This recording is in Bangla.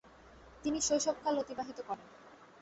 তিনি শৈশবকাল অতিবাহিত করেন।